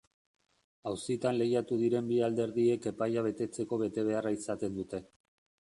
Auzitan lehiatu diren bi alderdiek epaia betetzeko betebeharra izaten dute.